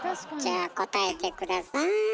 じゃあ答えて下さい。